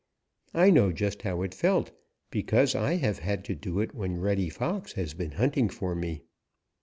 I know just how it felt because I have had to do it when Reddy Fox has been hunting for me.